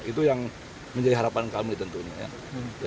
itu yang menjadi harapan kami tentunya ya